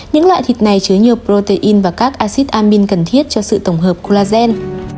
những loại thịt này chứa nhiều protein và các acid amine cần thiết cho sự tổng hợp collagen